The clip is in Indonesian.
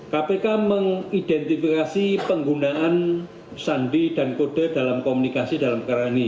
kpk mengidentifikasi penggunaan sandi dan kode dalam komunikasi dalam perkara ini